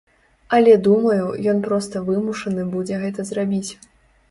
Але думаю, ён проста вымушаны будзе гэта зрабіць.